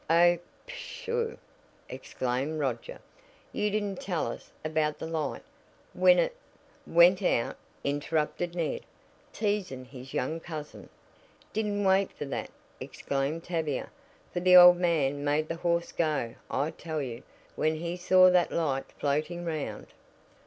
"Oh, pshaw!" exclaimed Roger, "you didn't tell us about the light. When it " "Went out " interrupted Ned, teasing his young cousin. "Didn't wait for that," explained Tavia, "for the old man made the horse go, I tell you, when he saw that light floating 'round."